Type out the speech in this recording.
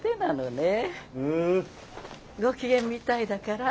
ご機嫌みたいだから。